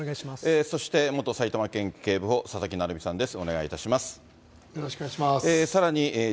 そして、元埼玉県警警部補、佐々木成三さんです。